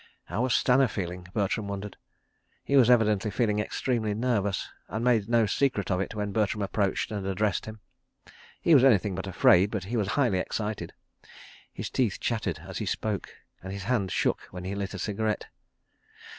How was Stanner feeling, Bertram wondered. He was evidently feeling extremely nervous, and made no secret of it when Bertram approached and addressed him. He was anything but afraid, but he was highly excited. His teeth chattered as he spoke, and his hand shook when he lit a cigarette.